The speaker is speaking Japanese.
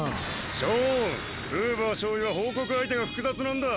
ショーンフーバー少尉は報告相手が複雑なんだ。